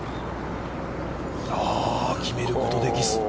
あぁ、決めることできず。